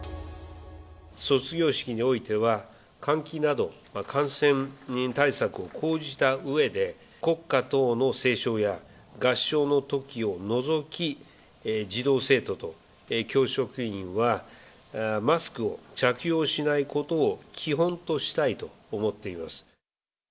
卒業式においては、換気など、感染対策を講じたうえで、国歌等の斉唱や合唱のときを除き、児童・生徒と教職員は、マスクを着用しないことを基本としたいと思っています。